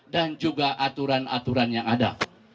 dan juga aturan aturan yang ada